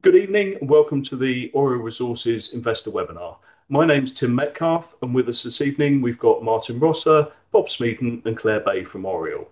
Good evening, and welcome to the Oriole Resources Investor Webinar. My name's Tim Metcalfe, and with us this evening, we've got Martin Rosser, Bob Smeeton, and Claire Bay from Oriole.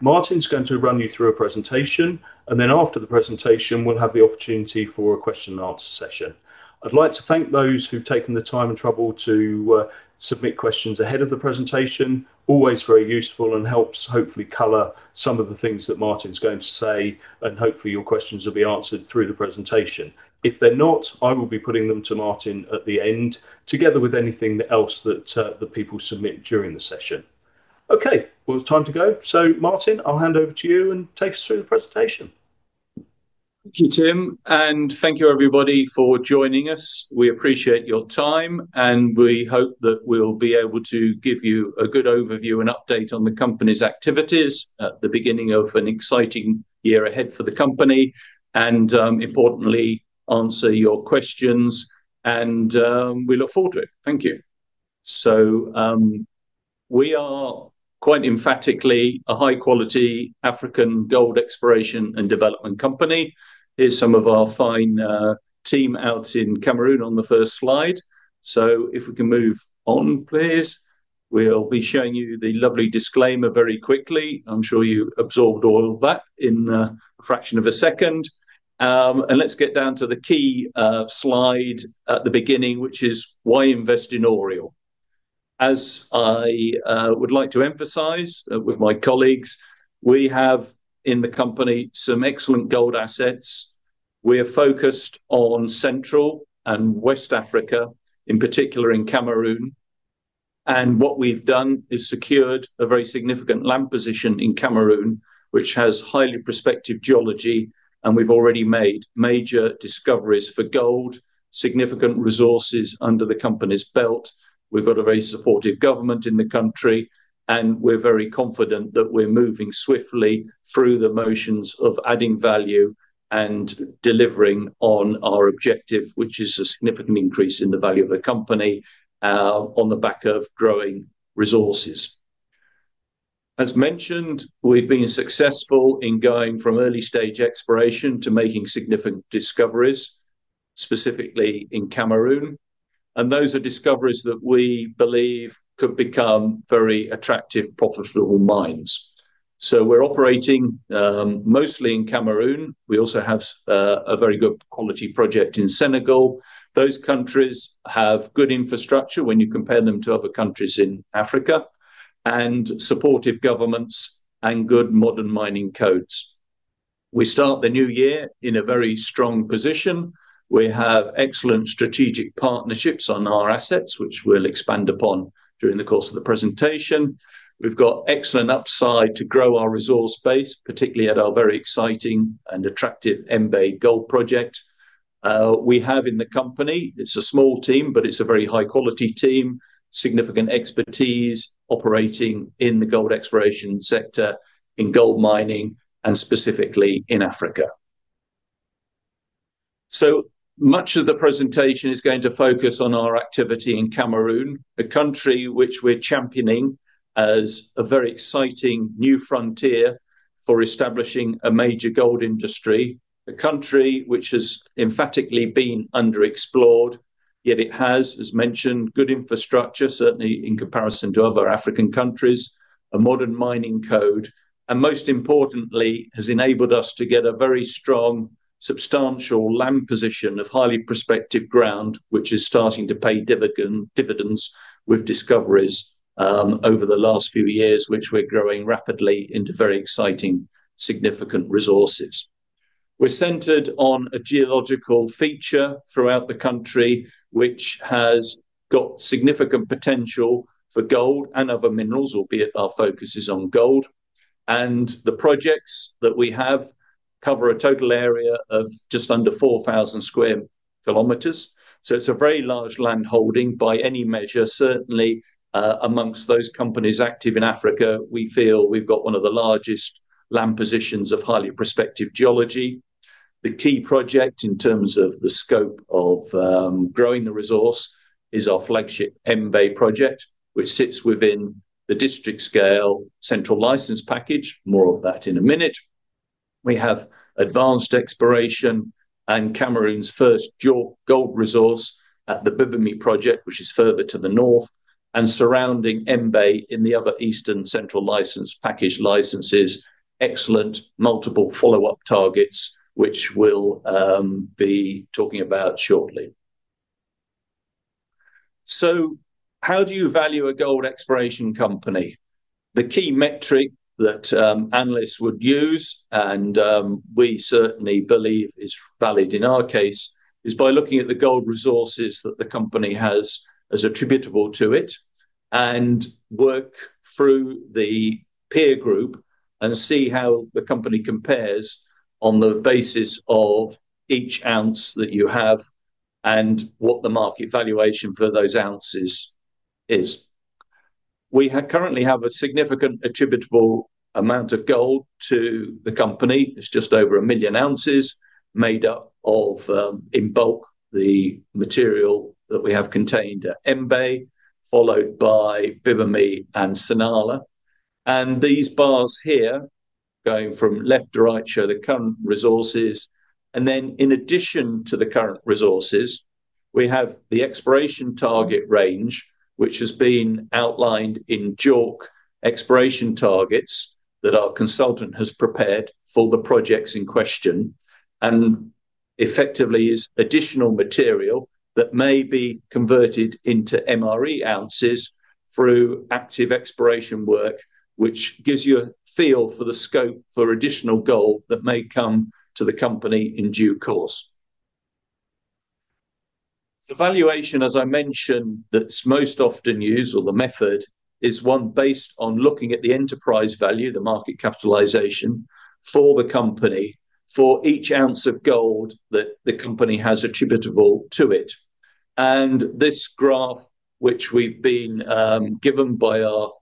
Martin's going to run you through a presentation, and then after the presentation, we'll have the opportunity for a question and answer session. I'd like to thank those who've taken the time and trouble to submit questions ahead of the presentation, always very useful and helps hopefully color some of the things that Martin's going to say, and hopefully your questions will be answered through the presentation. If they're not, I will be putting them to Martin at the end, together with anything else that the people submit during the session. Okay. Well, it's time to go. Martin, I'll hand over to you, and take us through the presentation. Thank you, Tim, and thank you everybody for joining us. We appreciate your time, and we hope that we'll be able to give you a good overview and update on the company's activities at the beginning of an exciting year ahead for the company, and, importantly, answer your questions, and we look forward to it. Thank you. We are quite emphatically a high-quality African gold exploration and development company. Here's some of our fine team out in Cameroon on the first slide. If we can move on, please. We'll be showing you the lovely disclaimer very quickly. I'm sure you absorbed all that in a fraction of a second. Let's get down to the key slide at the beginning, which is why invest in Oriole? As I would like to emphasize with my colleagues, we have in the company some excellent gold assets. We're focused on Central and West Africa, in particular in Cameroon. What we've done is secured a very significant land position in Cameroon, which has highly prospective geology, and we've already made major discoveries for gold, significant resources under the company's belt. We've got a very supportive government in the country, and we're very confident that we're moving swiftly through the motions of adding value and delivering on our objective, which is a significant increase in the value of the company on the back of growing resources. As mentioned, we've been successful in going from early-stage exploration to making significant discoveries, specifically in Cameroon, and those are discoveries that we believe could become very attractive, profitable mines. We're operating mostly in Cameroon. We also have a very good quality project in Senegal. Those countries have good infrastructure when you compare them to other countries in Africa, and supportive governments, and good modern mining codes. We start the new year in a very strong position. We have excellent strategic partnerships on our assets, which we'll expand upon during the course of the presentation. We've got excellent upside to grow our resource base, particularly at our very exciting and attractive Mbe Gold Project. We have in the company, it's a small team, but it's a very high-quality team, significant expertise operating in the gold exploration sector, in gold mining, and specifically in Africa. Much of the presentation is going to focus on our activity in Cameroon, a country which we're championing as a very exciting new frontier for establishing a major gold industry. A country which has emphatically been underexplored, yet it has, as mentioned, good infrastructure, certainly in comparison to other African countries, a modern mining code, most importantly, has enabled us to get a very strong, substantial land position of highly prospective ground, which is starting to pay dividends with discoveries over the last few years, which we're growing rapidly into very exciting, significant resources. We're centered on a geological feature throughout the country, which has got significant potential for gold and other minerals, albeit our focus is on gold. The projects that we have cover a total area of just under 4,000 sq km, so it's a very large land holding by any measure. Certainly amongst those companies active in Africa, we feel we've got one of the largest land positions of highly prospective geology. The key project in terms of the scope of growing the resource is our flagship Mbe project, which sits within the district-scale Central Licence Package. More of that in a minute. We have advanced exploration and Cameroon's first JORC gold resource at the Bibemi project, which is further to the north, and surrounding Mbe in the other eastern Central Licence Package licenses. Excellent multiple follow-up targets, which we'll be talking about shortly. How do you value a gold exploration company? The key metric that analysts would use, and we certainly believe is valid in our case, is by looking at the gold resources that the company has as attributable to it, and work through the peer group and see how the company compares on the basis of each ounce that you have and what the market valuation for those ounces is. We currently have a significant attributable amount of gold to the company. It's just over 1 million oz made up of, in bulk, the material that we have contained at Mbe, followed by Bibemi and Senala. These bars here going from left to right show the current resources. In addition to the current resources, we have the exploration target range, which has been outlined in JORC exploration targets that our consultant has prepared for the projects in question, and effectively is additional material that may be converted into MRE ounces through active exploration work, which gives you a feel for the scope for additional gold that may come to the company in due course. The valuation, as I mentioned, that's most often used or the method is one based on looking at the enterprise value, the market capitalization for the company for each ounce of gold that the company has attributable to it. This graph, which we've been given by our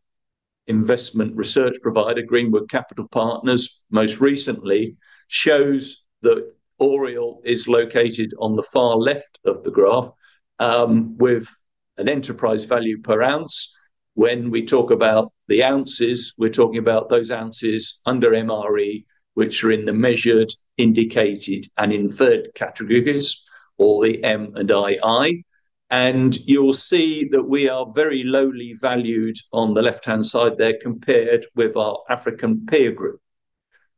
investment research provider, Greenwood Capital Partners, most recently shows that Oriole is located on the far left of the graph, with an enterprise value per ounce. When we talk about the ounces, we're talking about those ounces under MRE, which are in the Measured, Indicated, and Inferred categories or the M&I&I, and you'll see that we are very lowly valued on the left-hand side there compared with our African peer group.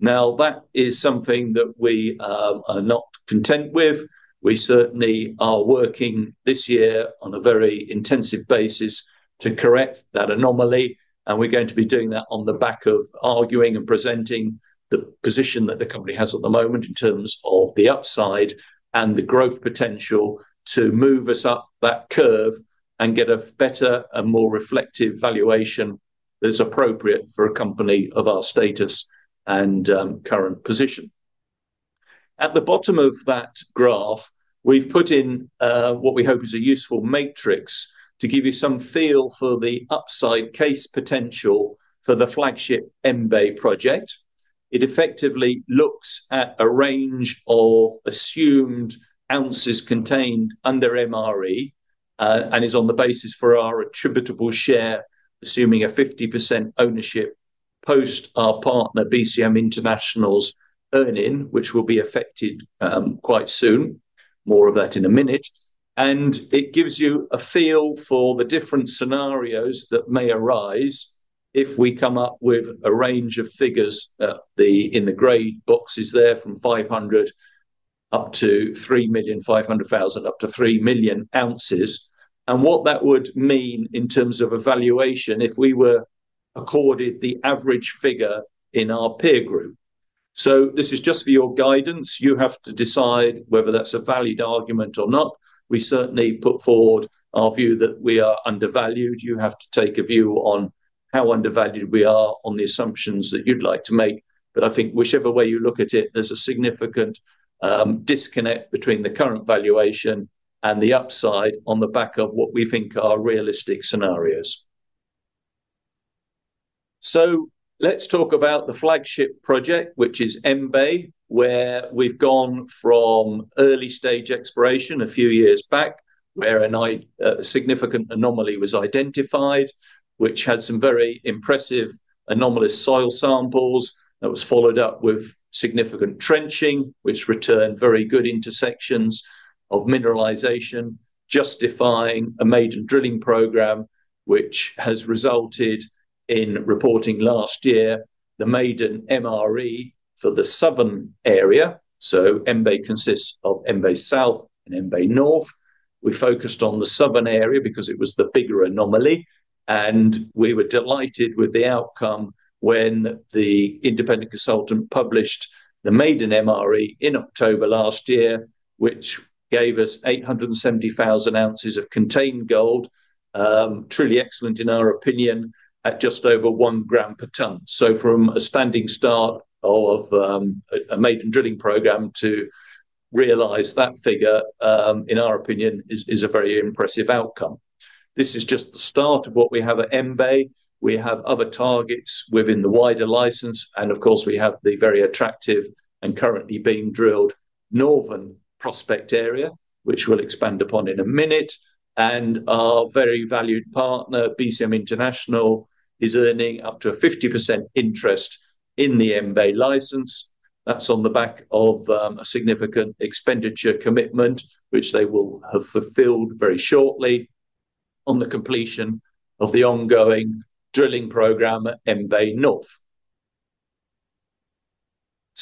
Now, that is something that we are not content with. We certainly are working this year on a very intensive basis to correct that anomaly, and we're going to be doing that on the back of arguing and presenting the position that the company has at the moment in terms of the upside and the growth potential to move us up that curve and get a better and more reflective valuation that's appropriate for a company of our status and current position. At the bottom of that graph, we've put in what we hope is a useful matrix to give you some feel for the upside case potential for the flagship Mbe project. It effectively looks at a range of assumed ounces contained under MRE, and is on the basis for our attributable share, assuming a 50% ownership post our partner BCM International's earn-in, which will be effected quite soon. More of that in a minute. It gives you a feel for the different scenarios that may arise if we come up with a range of figures in the gray boxes there, from 500,000 up to 3 million oz, and what that would mean in terms of a valuation if we were accorded the average figure in our peer group. This is just for your guidance. You have to decide whether that's a valid argument or not. We certainly put forward our view that we are undervalued. You have to take a view on how undervalued we are on the assumptions that you'd like to make. I think whichever way you look at it, there's a significant disconnect between the current valuation and the upside on the back of what we think are realistic scenarios. Let's talk about the flagship project, which is Mbe, where we've gone from early stage exploration a few years back where a significant anomaly was identified, which had some very impressive anomalous soil samples that was followed up with significant trenching, which returned very good intersections of mineralization, justifying a maiden drilling program, which has resulted in reporting last year the maiden MRE for the southern area. Mbe consists of Mbe South and Mbe North. We focused on the southern area because it was the bigger anomaly, and we were delighted with the outcome when the independent consultant published the maiden MRE in October last year, which gave us 870,000 oz of contained gold. Truly excellent, in our opinion, at just over 1 g/ton. From a standing start of a maiden drilling program to realize that figure, in our opinion, is a very impressive outcome. This is just the start of what we have at Mbe. We have other targets within the wider license, and of course, we have the very attractive and currently being drilled northern prospect area, which we'll expand upon in a minute. Our very valued partner, BCM International, is earning up to a 50% interest in the Mbe license. That's on the back of a significant expenditure commitment, which they will have fulfilled very shortly on the completion of the ongoing drilling program at Mbe North.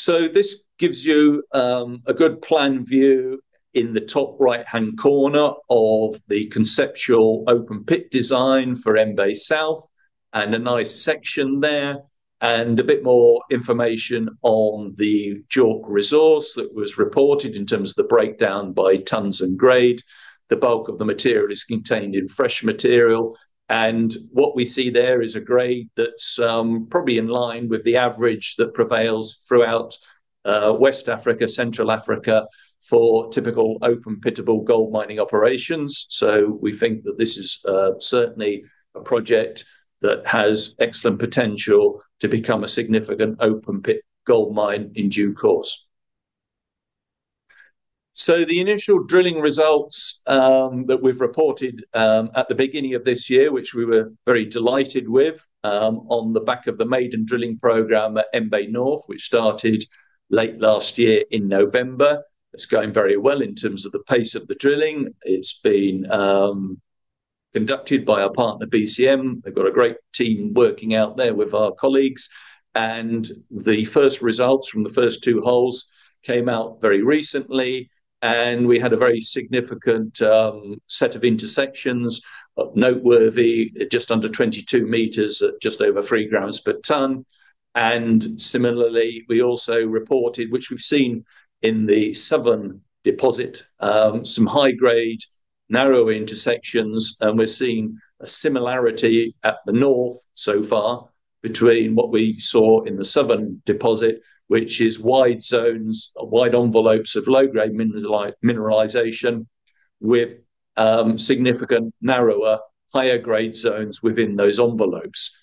This gives you a good plan view in the top right-hand corner of the conceptual open-pit design for Mbe South, and a nice section there, and a bit more information on the JORC resource that was reported in terms of the breakdown by tons and grade. The bulk of the material is contained in fresh material, and what we see there is a grade that's probably in line with the average that prevails throughout West Africa, Central Africa for typical open-pittable gold mining operations. We think that this is certainly a project that has excellent potential to become a significant open-pit gold mine in due course. The initial drilling results that we've reported at the beginning of this year, which we were very delighted with on the back of the maiden drilling program at Mbe North, which started late last year in November. It's going very well in terms of the pace of the drilling. It's been conducted by our partner BCM. They've got a great team working out there with our colleagues. First results from the first two holes came out very recently, and we had a very significant set of intersections, noteworthy at just under 22 m at just over 3 g/ton. Similarly, we also reported, which we've seen in the southern deposit, some high-grade narrow intersections. We're seeing a similarity at the north so far between what we saw in the southern deposit, which is wide zones or wide envelopes of low-grade mineralization, with significant narrower higher-grade zones within those envelopes.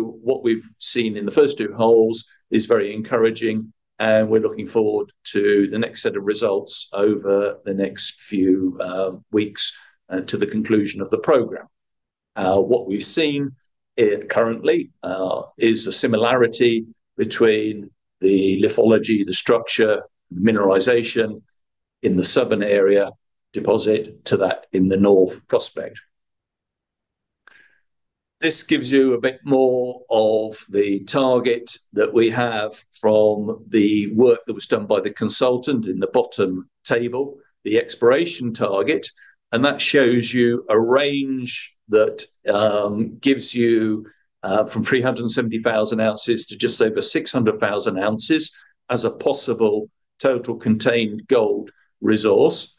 What we've seen in the first two holes is very encouraging, and we're looking forward to the next set of results over the next few weeks, to the conclusion of the program. What we've seen currently is a similarity between the lithology, the structure, mineralization in the southern area deposit to that in the north prospect. This gives you a bit more of the target that we have from the work that was done by the consultant in the bottom table, the exploration target, and that shows you a range that gives you from 370,000 oz to just over 600,000 oz as a possible total contained gold resource.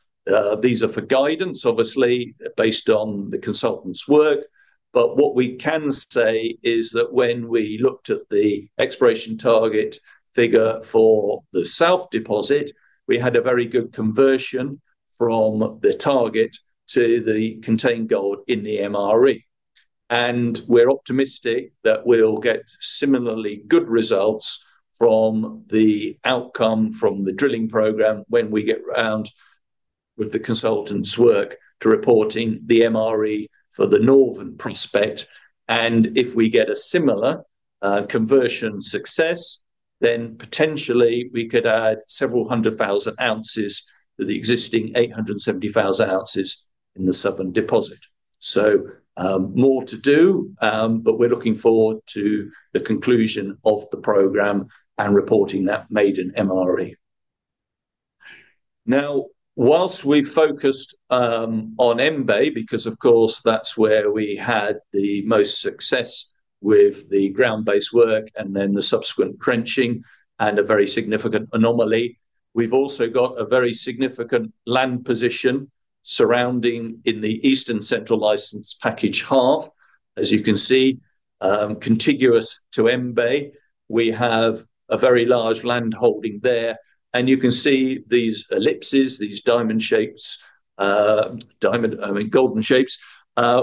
These are for guidance, obviously based on the consultant's work. What we can say is that when we looked at the exploration target figure for the south deposit, we had a very good conversion from the target to the contained gold in the MRE. We're optimistic that we'll get similarly good results from the outcome from the drilling program when we get around with the consultant's work to reporting the MRE for the northern prospect. If we get a similar conversion success, then potentially we could add several hundred thousand ounces to the existing 870,000 oz in the southern deposit. More to do, but we're looking forward to the conclusion of the program and reporting that maiden MRE. Now, whilst we've focused on Mbe, because of course that's where we had the most success with the ground-based work and then the subsequent trenching and a very significant anomaly, we've also got a very significant land position surrounding in the eastern Central Licence Package half. As you can see, contiguous to Mbe, we have a very large land holding there, and you can see these ellipses, these diamond shapes, I mean golden shapes,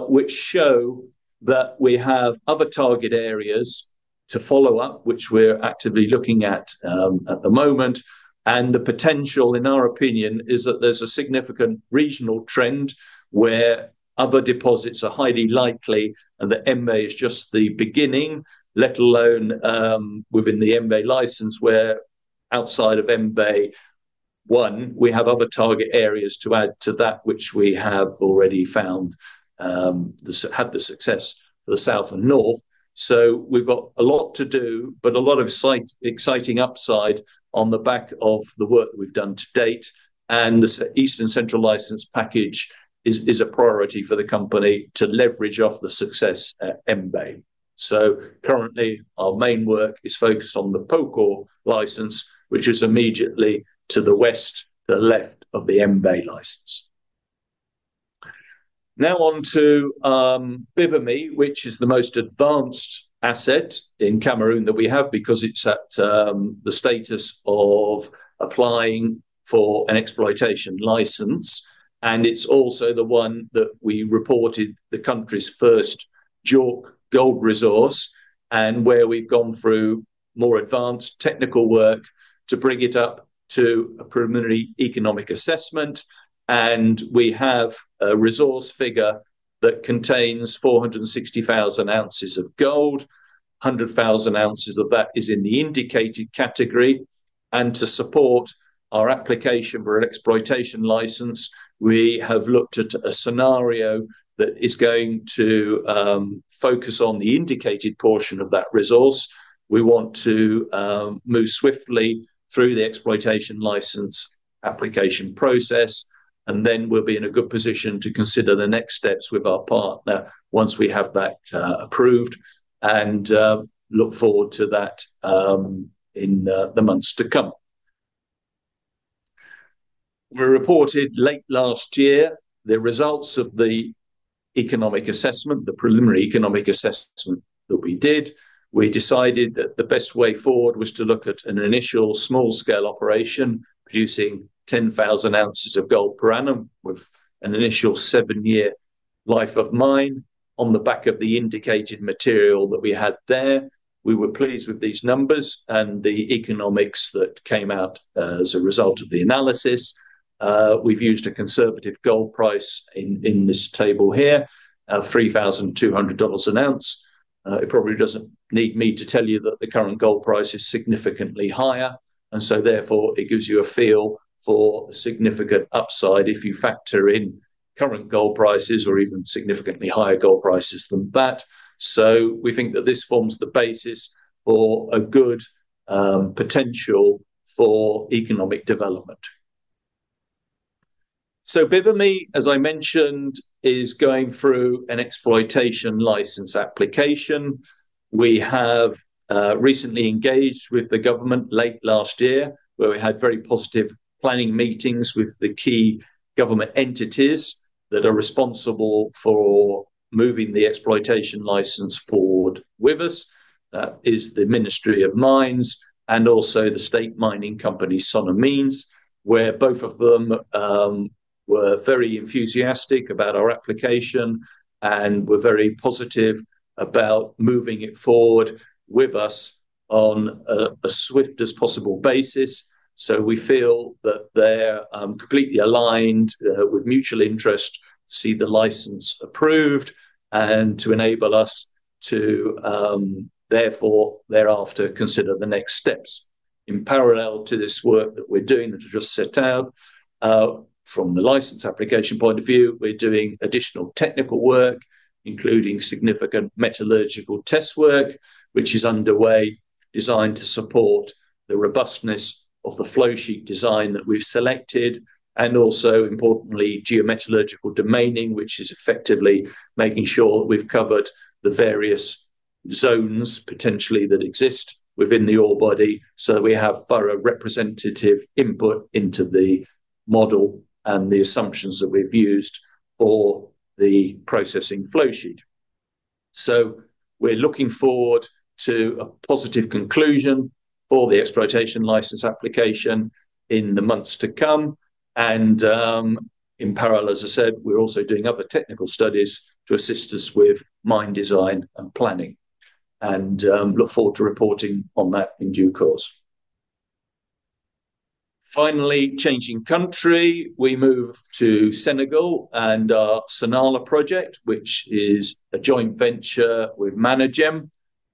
which show that we have other target areas to follow up, which we're actively looking at at the moment. The potential, in our opinion, is that there's a significant regional trend where other deposits are highly likely, and that Mbe is just the beginning, let alone within the Mbe license where outside of MB01, we have other target areas to add to that which we have already found, had the success for the south and north. We've got a lot to do, but a lot of exciting upside on the back of the work that we've done to date. The eastern Central Licence Package is a priority for the company to leverage off the success at Mbe. Currently our main work is focused on the Pokor license, which is immediately to the west, the left of the Mbe license. Now on to Bibemi, which is the most advanced asset in Cameroon that we have because it's at the status of applying for an exploitation license. It's also the one that we reported the country's first JORC gold resource, and where we've gone through more advanced technical work to bring it up to a preliminary economic assessment. We have a resource figure that contains 460,000 oz of gold. 100,000 oz of that is in the Indicated category. To support our application for an exploitation license, we have looked at a scenario that is going to focus on the Indicated portion of that resource. We want to move swiftly through the exploitation license application process, and then we'll be in a good position to consider the next steps with our partner once we have that approved, and look forward to that in the months to come. We reported late last year the results of the economic assessment, the Preliminary Economic Assessment that we did. We decided that the best way forward was to look at an initial small-scale operation producing 10,000 oz/year of gold with an initial seven-year life of mine on the back of the Indicated material that we had there. We were pleased with these numbers and the economics that came out as a result of the analysis. We've used a conservative gold price in this table here, of $3,200/oz. It probably doesn't need me to tell you that the current gold price is significantly higher, and so therefore it gives you a feel for the significant upside if you factor in current gold prices or even significantly higher gold prices than that. We think that this forms the basis for a good potential for economic development. Bibemi, as I mentioned, is going through an exploitation license application. We have recently engaged with the government late last year, where we had very positive planning meetings with the key government entities that are responsible for moving the exploitation license forward with us. That is the Ministry of Mines and also the state mining company, SONAMINES, where both of them were very enthusiastic about our application and were very positive about moving it forward with us on a swift as possible basis. We feel that they're completely aligned with mutual interest to see the license approved and to enable us to, therefore, thereafter, consider the next steps. In parallel to this work that we're doing, that I've just set out, from the license application point of view, we're doing additional technical work, including significant metallurgical test work, which is underway, designed to support the robustness of the flowsheet design that we've selected, and also, importantly, geometallurgical domaining, which is effectively making sure that we've covered the various zones, potentially that exist within the ore body, so that we have thorough representative input into the model and the assumptions that we've used for the processing flowsheet. We're looking forward to a positive conclusion for the exploitation license application in the months to come. In parallel, as I said, we're also doing other technical studies to assist us with mine design and planning, and look forward to reporting on that in due course. Finally, changing country, we move to Senegal and our Senala project, which is a joint venture with Managem.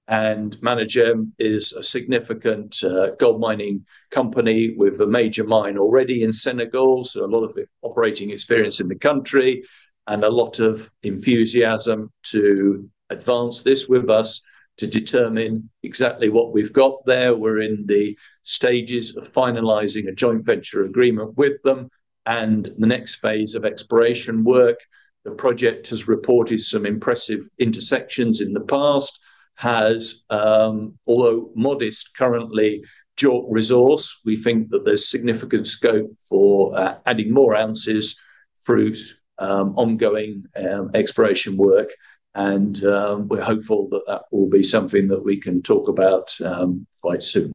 Managem is a significant gold mining company with a major mine already in Senegal, so a lot of operating experience in the country, and a lot of enthusiasm to advance this with us to determine exactly what we've got there. We're in the stages of finalizing a joint venture agreement with them and the next phase of exploration work. The project has reported some impressive intersections in the past, has, although modest currently, JORC resource. We think that there's significant scope for adding more ounces through ongoing exploration work, and we're hopeful that that will be something that we can talk about quite soon.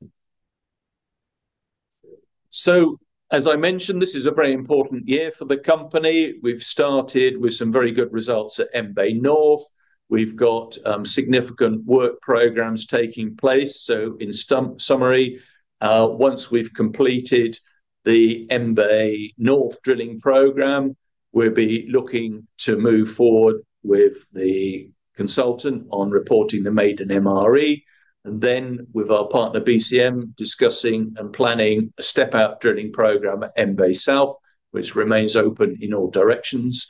As I mentioned, this is a very important year for the company. We've started with some very good results at Mbe North. We've got significant work programs taking place. In summary, once we've completed the Mbe North drilling program, we'll be looking to move forward with the consultant on reporting the maiden MRE, and then with our partner BCM discussing and planning a step-out drilling program at Mbe South, which remains open in all directions.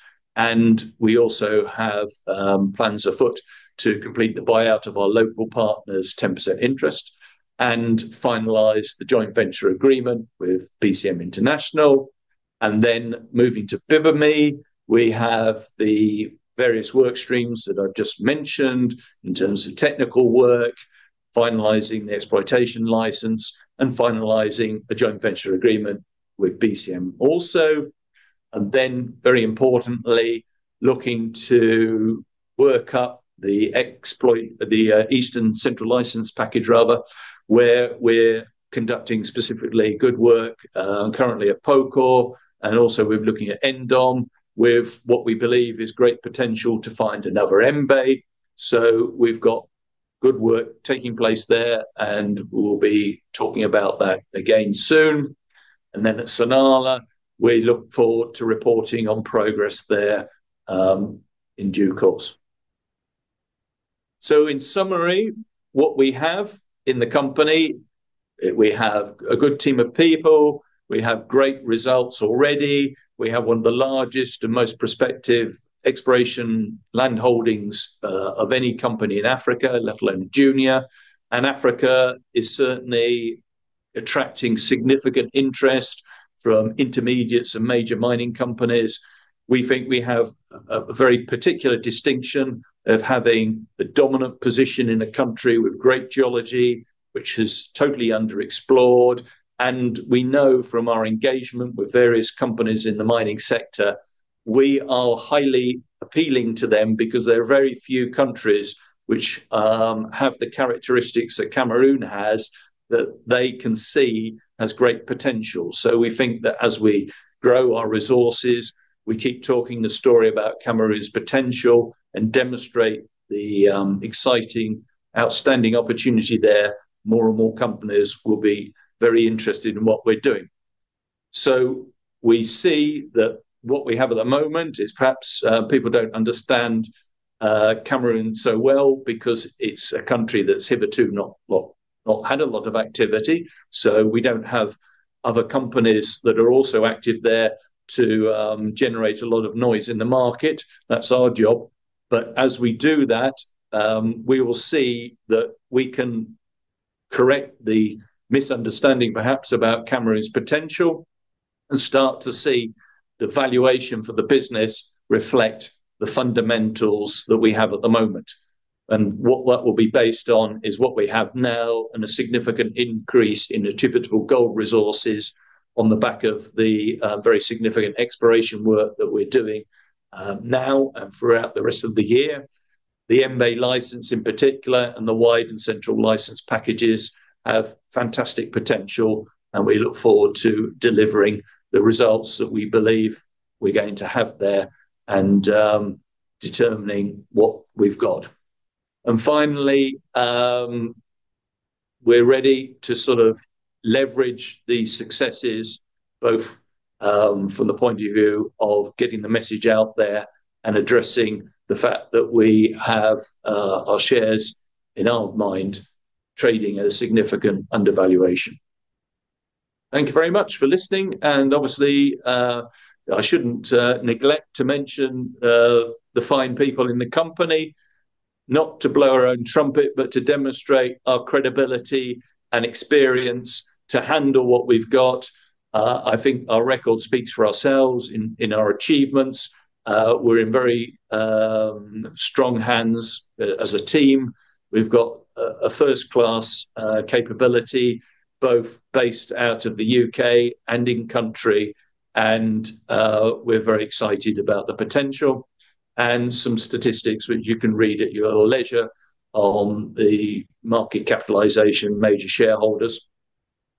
We also have plans afoot to complete the buyout of our local partner's 10% interest and finalize the joint venture agreement with BCM International. Moving to Bibemi, we have the various work streams that I've just mentioned in terms of technical work, finalizing the exploitation license, and finalizing a joint venture agreement with BCM also. Very importantly, looking to work up the exploitation license. The Eastern Central Licence Package rather, where we're conducting specifically good work, currently at Pokor, and also we're looking at Ndom, with what we believe is great potential to find another Mbe. We've got good work taking place there, and we'll be talking about that again soon. At Senala, we look forward to reporting on progress there, in due course. In summary, what we have in the company, we have a good team of people, we have great results already, we have one of the largest and most prospective exploration land holdings of any company in Africa, let alone junior. Africa is certainly attracting significant interest from intermediates and major mining companies. We think we have a very particular distinction of having a dominant position in a country with great geology, which is totally underexplored. We know from our engagement with various companies in the mining sector. We are highly appealing to them because there are very few countries which have the characteristics that Cameroon has that they can see has great potential. We think that as we grow our resources, we keep talking the story about Cameroon's potential and demonstrate the exciting, outstanding opportunity there, more and more companies will be very interested in what we're doing. We see that what we have at the moment is perhaps people don't understand Cameroon so well because it's a country that's hitherto not had a lot of activity. We don't have other companies that are also active there to generate a lot of noise in the market. That's our job. As we do that, we will see that we can correct the misunderstanding perhaps about Cameroon's potential, and start to see the valuation for the business reflect the fundamentals that we have at the moment. What that will be based on is what we have now and a significant increase in attributable gold resources on the back of the very significant exploration work that we're doing now and throughout the rest of the year. The Mbe license in particular and the wider Central Licence Package have fantastic potential, and we look forward to delivering the results that we believe we're going to have there and determining what we've got. Finally, we're ready to sort of leverage the successes both from the point of view of getting the message out there and addressing the fact that we have our shares, in our own mind, trading at a significant undervaluation. Thank you very much for listening. Obviously, I shouldn't neglect to mention the fine people in the company, not to blow our own trumpet, but to demonstrate our credibility and experience to handle what we've got. I think our record speaks for ourselves in our achievements. We're in very strong hands as a team. We've got a first-class capability, both based out of the U.K. and in country, and we're very excited about the potential. Some statistics which you can read at your leisure on the market capitalization, major shareholders.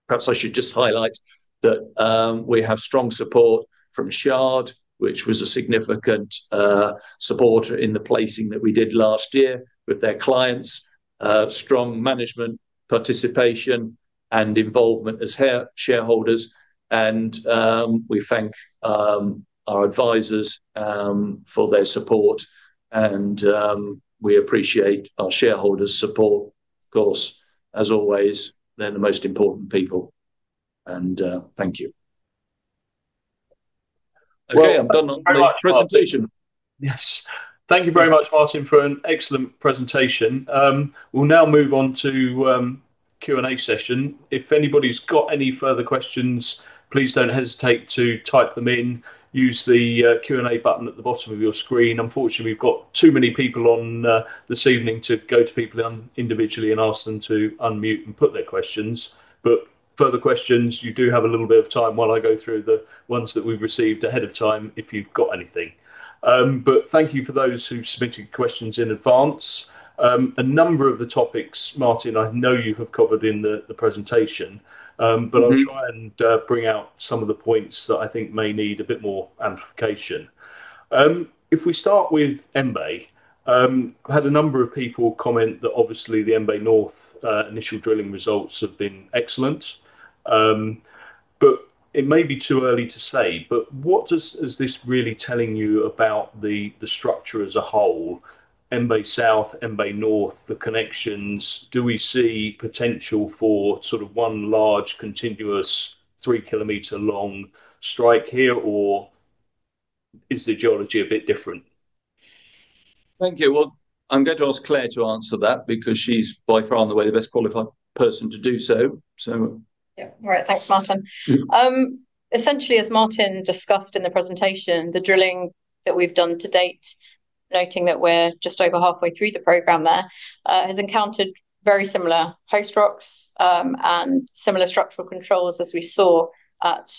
Perhaps I should just highlight that we have strong support from Shard, which was a significant supporter in the placing that we did last year with their clients, strong management participation and involvement as shareholders, and we thank our advisors for their support, and we appreciate our shareholders' support. Of course, as always, they're the most important people. Thank you. Well- Okay, I'm done on the presentation. Thank you very much, Martin, for an excellent presentation. We'll now move on to Q&A session. If anybody's got any further questions, please don't hesitate to type them in. Use the Q&A button at the bottom of your screen. Unfortunately, we've got too many people on this evening to go to people individually and ask them to unmute and put their questions. Further questions, you do have a little bit of time while I go through the ones that we've received ahead of time if you've got anything. Thank you for those who submitted questions in advance. A number of the topics, Martin, I know you have covered in the presentation. I'll try and bring out some of the points that I think may need a bit more amplification. If we start with Mbe, I've had a number of people comment that obviously the Mbe North initial drilling results have been excellent. It may be too early to say, but what is this really telling you about the structure as a whole, Mbe South, Mbe North, the connections? Do we see potential for sort of one large, continuous, 3 km long strike here, or is the geology a bit different? Thank you. Well, I'm going to ask Claire to answer that because she's by far and away the best qualified person to do so. Yeah. All right. Thanks, Martin. Essentially, as Martin discussed in the presentation, the drilling that we've done to date, noting that we're just over halfway through the program there, has encountered very similar host rocks and similar structural controls as we saw at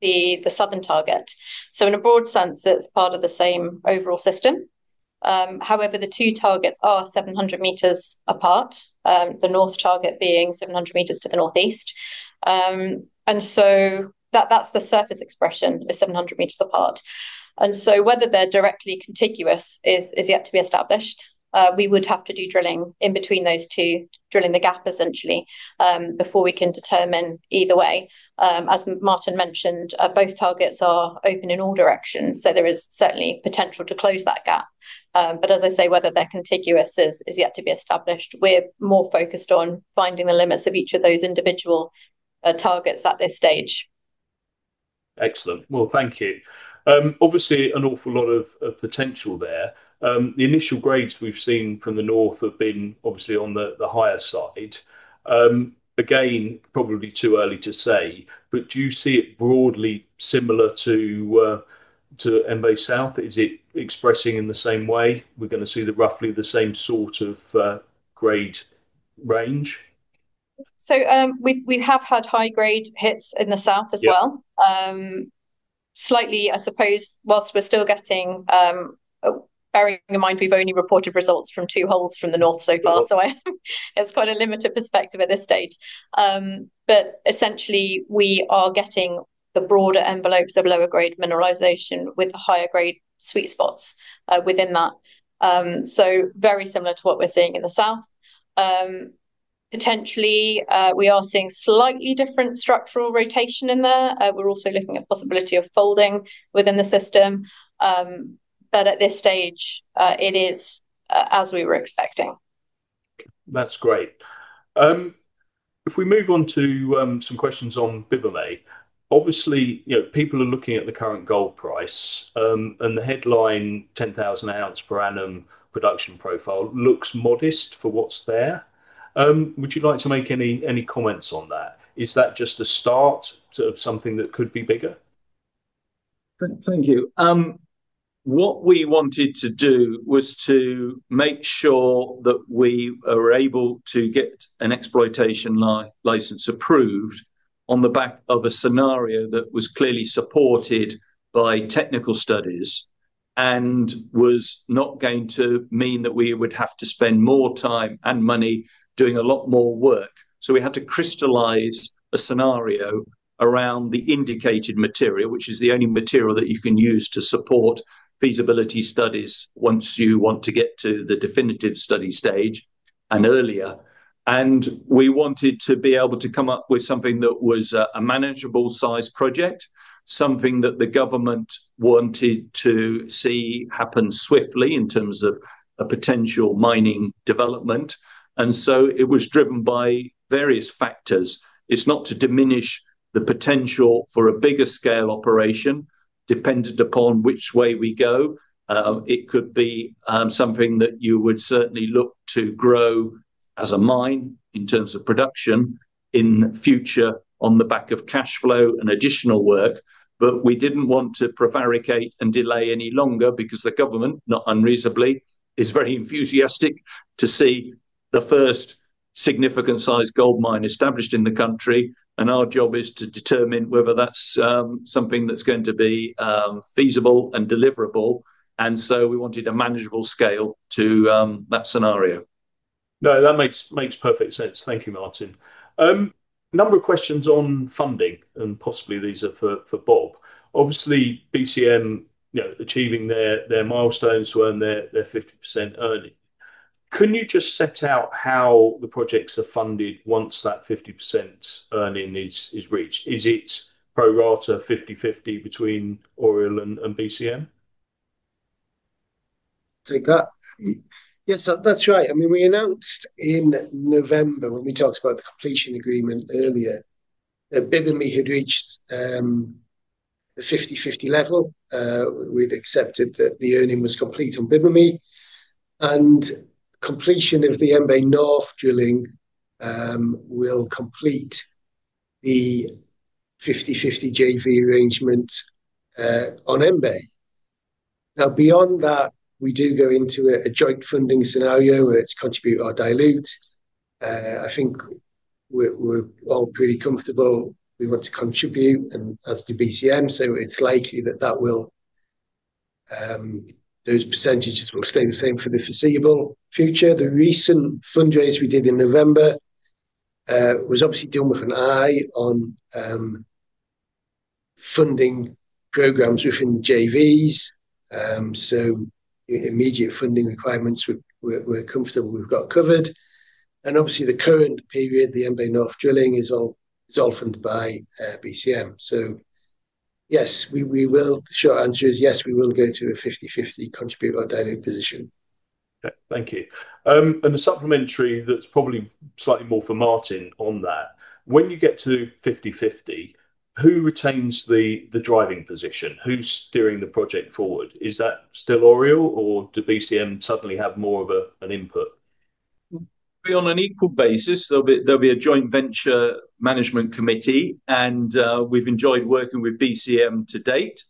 the southern target. In a broad sense, it's part of the same overall system. However, the two targets are 700 m apart, the north target being 700 m to the northeast. The surface expression is 700 m apart. Whether they're directly contiguous is yet to be established. We would have to do drilling in between those two, drilling the gap essentially, before we can determine either way. As Martin mentioned, both targets are open in all directions, so there is certainly potential to close that gap. As I say, whether they're contiguous is yet to be established. We're more focused on finding the limits of each of those individual targets at this stage. Excellent. Well, thank you. Obviously, an awful lot of potential there. The initial grades we've seen from the North have been obviously on the higher side. Again, probably too early to say, but do you see it broadly similar to Mbe South? Is it expressing in the same way? We're gonna see roughly the same sort of grade range? We have had high-grade hits in the south as well. Slightly, I suppose, bearing in mind we've only reported results from two holes from the North so far. It's quite a limited perspective at this stage. Essentially, we are getting the broader envelopes of lower grade mineralization with higher grade sweet spots within that, very similar to what we're seeing in the south. Potentially, we are seeing slightly different structural rotation in there. We're also looking at possibility of folding within the system. At this stage, it is as we were expecting. That's great. If we move on to some questions on Bibemi, obviously, people are looking at the current gold price, and the headline 10,000 oz/year production profile looks modest for what's there. Would you like to make any comments on that? Is that just a start to something that could be bigger? Thank you. What we wanted to do was to make sure that we are able to get an exploitation license approved on the back of a scenario that was clearly supported by technical studies, and was not going to mean that we would have to spend more time and money doing a lot more work. We had to crystallize a scenario around the Indicated material, which is the only material that you can use to support feasibility studies once you want to get to the definitive study stage, and earlier. We wanted to be able to come up with something that was a manageable size project, something that the government wanted to see happen swiftly in terms of a potential mining development. It was driven by various factors. It's not to diminish the potential for a bigger scale operation dependent upon which way we go. It could be something that you would certainly look to grow as a mine in terms of production in the future on the back of cash flow and additional work. We didn't want to prevaricate and delay any longer because the government, not unreasonably, is very enthusiastic to see the first significant size gold mine established in the country. Our job is to determine whether that's something that's going to be feasible and deliverable. We wanted a manageable scale to that scenario. No, that makes perfect sense. Thank you, Martin. Number of questions on funding, and possibly these are for Bob. Obviously, BCM achieving their milestones to earn their 50% earning, can you just set out how the projects are funded once that 50% earning is reached? Is it pro rata 50/50 between Oriole and BCM? Take that. Yes, that's right. We announced in November when we talked about the completion agreement earlier, that Bibemi had reached the 50/50 level. We'd accepted that the earning was complete on Bibemi. Completion of the Mbe North drilling will complete the 50/50 JV arrangement on Mbe. Now, beyond that, we do go into a joint funding scenario where it's contribute or dilute. I think we're all pretty comfortable we want to contribute, and as do BCM. It's likely that those percentages will stay the same for the foreseeable future. The recent fundraise we did in November was obviously done with an eye on funding programs within the JVs. Immediate funding requirements we're comfortable we've got covered. Obviously the current period, the Mbe North drilling is all funded by BCM. Yes, we will. Short answer is yes, we will go to a 50/50 contribute or dilute position. Okay. Thank you. A supplementary that's probably slightly more for Martin on that, when you get to 50/50, who retains the driving position? Who's steering the project forward? Is that still Oriole or do BCM suddenly have more of an input? It will be on an equal basis. There'll be a joint venture management committee, and we've enjoyed working with BCM to date.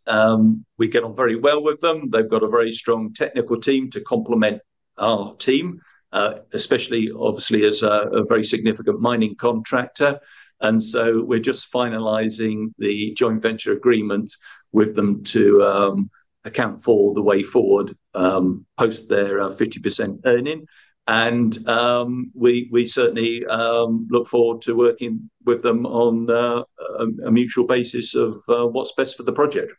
We get on very well with them. They've got a very strong technical team to complement our team, especially obviously as a very significant mining contractor. We're just finalizing the joint venture agreement with them to account for the way forward, post their 50% earning. We certainly look forward to working with them on a mutual basis of what's best for the project.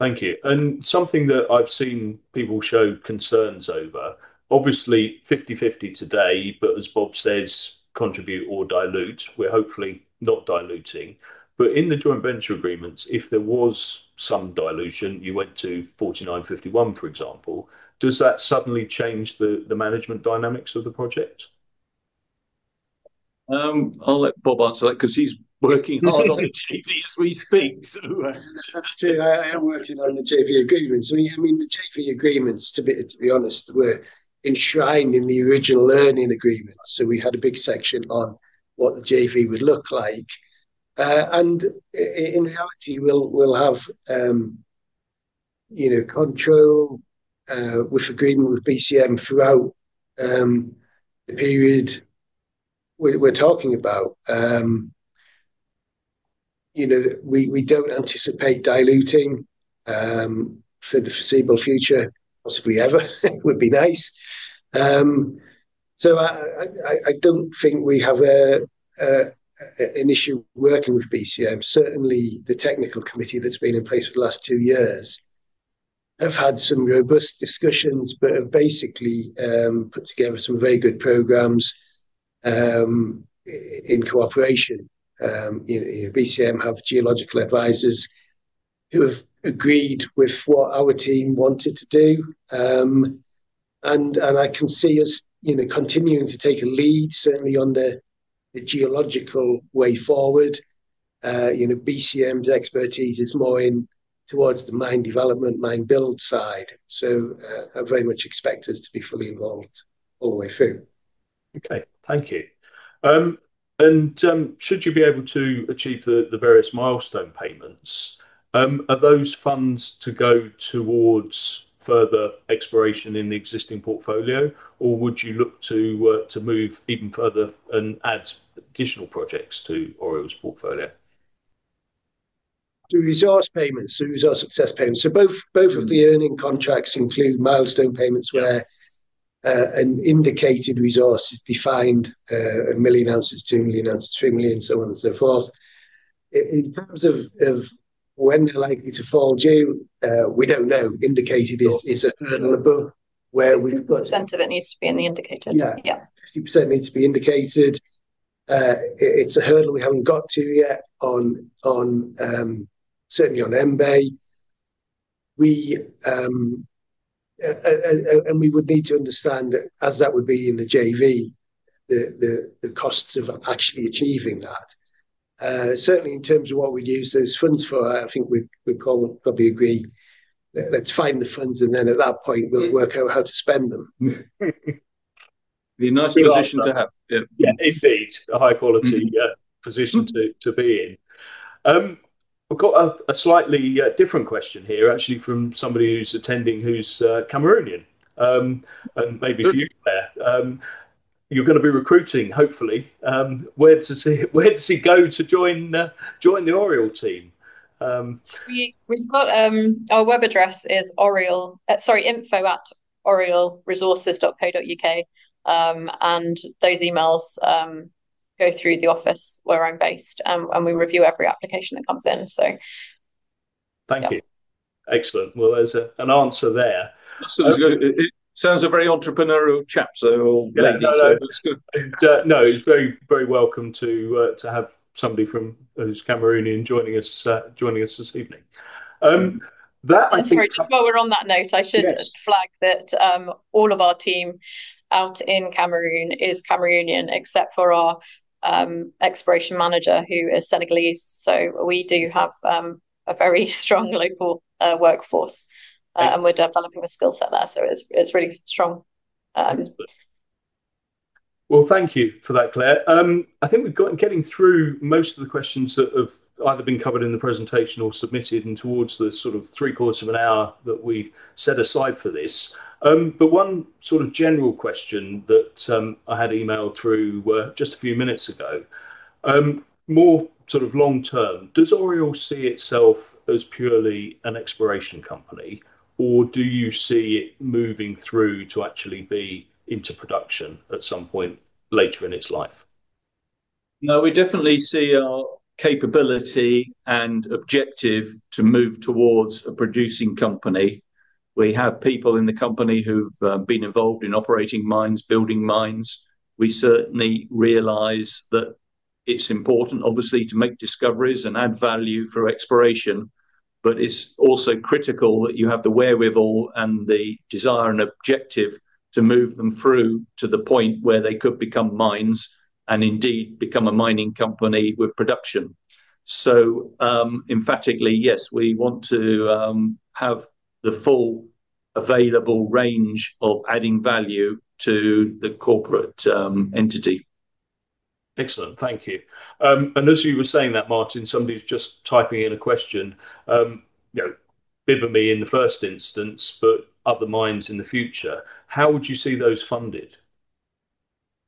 Thank you. Something that I've seen people show concerns over, obviously 50/50 today, but as Bob says, contribute or dilute, we're hopefully not diluting. In the joint venture agreements, if there was some dilution, you went to 49/51, for example, does that suddenly change the management dynamics of the project? I'll let Bob answer that because he's working hard on the JV as we speak. That's true. I am working on the JV agreements. The JV agreements, to be honest, were enshrined in the original earning agreements. We had a big section on what the JV would look like. In reality, we'll have control with agreement with BCM throughout the period we're talking about. We don't anticipate diluting for the foreseeable future, possibly ever. It would be nice. I don't think we have an issue working with BCM. Certainly, the technical committee that's been in place for the last two years have had some robust discussions, but have basically put together some very good programs in cooperation. BCM have geological advisors who have agreed with what our team wanted to do. I can see us continuing to take a lead, certainly, on the geological way forward. BCM's expertise is more in towards the mine development, mine build side. I very much expect us to be fully involved all the way through. Okay, thank you. Should you be able to achieve the various milestone payments, are those funds to go toward further exploration in the existing portfolio, or would you look to work to move even further and add additional projects to Oriole's portfolio? The resource payments, the resource success payments. Both of the earning contracts include milestone payments where an Indicated resource is defined 1 million oz, 2 million oz, 3 million oz, so on and so forth. In terms of when they're likely to fall due, we don't know. Indicated is an earn-in. 60% of it needs to be in the Indicated. Yeah. Yeah. 60% needs to be Indicated. It's a hurdle we haven't got to yet certainly on Mbe. We would need to understand, as that would be in the JV, the costs of actually achieving that. Certainly in terms of what we'd use those funds for, I think we'd probably agree, let's find the funds and then at that point we'll work out how to spend them. Be a nice position to have. Yeah. Yeah, indeed. A high-quality position to be in. We've got a slightly different question here, actually, from somebody who's attending who's Cameroonian. Maybe for you, Claire. You're going to be recruiting hopefully. Where does he go to join the Oriole team? Our web address is info@orioleresources.co.uk. Those emails go through the office where I'm based, and we review every application that comes in. Thank you. Yeah. Excellent. Well, there's an answer there. Sounds good. He sounds a very entrepreneurial chap or lady. Looks good. No, he's very welcome to have somebody who's Cameroonian joining us this evening. I'm sorry, just while we're on that note. I should just flag that all of our team out in Cameroon is Cameroonian except for our Exploration Manager, who is Senegalese. We do have a very strong local workforce. We're developing a skill set there, so it's really strong. Wonderful. Well, thank you for that, Claire. I think we're getting through most of the questions that have either been covered in the presentation or submitted in towards the sort of three-quarters of an hour that we've set aside for this. One sort of general question that I had emailed through just a few minutes ago, more sort of long-term, does Oriole see itself as purely an exploration company, or do you see it moving through to actually be into production at some point later in its life? No, we definitely see our capability and objective to move towards a producing company. We have people in the company who've been involved in operating mines, building mines. We certainly realize that it's important obviously to make discoveries and add value for exploration, but it's also critical that you have the wherewithal and the desire and objective to move them through to the point where they could become mines, and indeed, become a mining company with production. Emphatically, yes, we want to have the full available range of adding value to the corporate entity. Excellent, thank you. As you were saying that, Martin, somebody's just typing in a question. Bibemi in the first instance, but other mines in the future, how would you see those funded?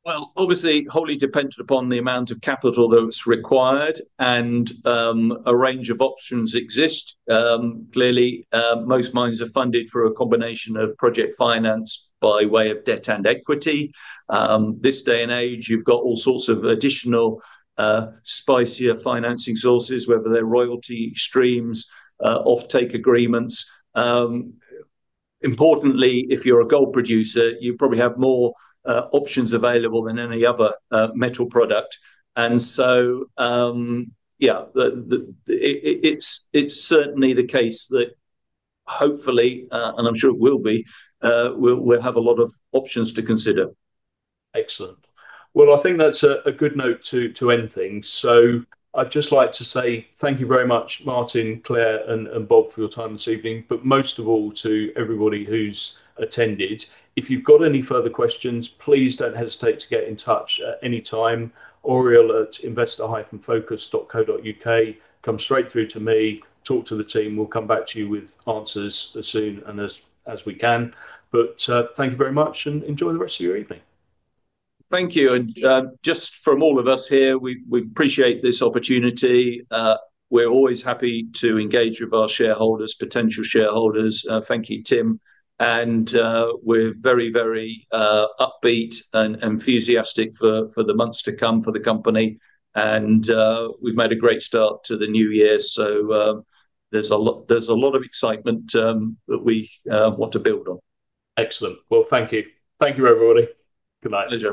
Well, obviously, wholly dependent upon the amount of capital that's required. A range of options exist. Clearly, most mines are funded through a combination of project finance by way of debt and equity. This day and age, you've got all sorts of additional spicier financing sources, whether they're royalty streams, off-take agreements. Importantly, if you're a gold producer, you probably have more options available than any other metal product. It's certainly the case that hopefully, and I'm sure it will be, we'll have a lot of options to consider. Excellent. Well, I think that's a good note to end things. I'd just like to say thank you very much, Martin, Claire, and Bob for your time this evening, most of all to everybody who's attended. If you've got any further questions, please don't hesitate to get in touch at any time, Oriole at investor-focus.co.uk. Come straight through to me, talk to the team, we'll come back to you with answers as soon and as we can. Thank you very much and enjoy the rest of your evening. Thank you. Just from all of us here, we appreciate this opportunity. We're always happy to engage with our shareholders, potential shareholders. Thank you, Tim. We're very upbeat and enthusiastic for the months to come for the company. We've made a great start to the new year. There's a lot of excitement that we want to build on. Excellent. Well, thank you, everybody. Good night.